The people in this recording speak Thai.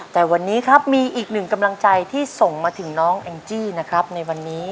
แต่วันนี้ครับมีอีกหนึ่งกำลังใจที่ส่งมาถึงน้องแองจี้นะครับในวันนี้